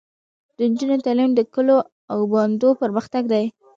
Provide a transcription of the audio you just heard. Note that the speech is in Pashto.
د نجونو تعلیم د کلیو او بانډو پرمختګ دی.